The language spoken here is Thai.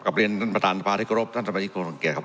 กับเรียนประตานภาพธิกรพท่านสมาชิกโครงเกียร์ครับ